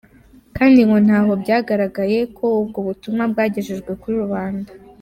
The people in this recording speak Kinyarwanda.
Kandi ngo ntaho byagaragaye ko ubwo butumwa bwagejejwe kuri rubanda.